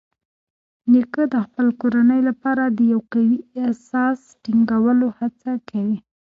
نیکه د خپل کورنۍ لپاره د یو قوي اساس ټینګولو هڅه کوي.